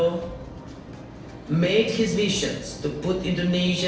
membuat visinya untuk memasang negara indonesia